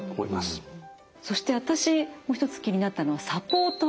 そして私もう一つ気になったのは「サポーター」